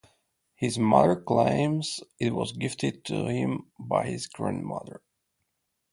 His mother claims it was gifted to him by his grandmother.